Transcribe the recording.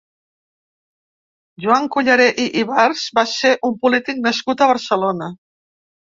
Joan Culleré i Ibars va ser un polític nascut a Barcelona.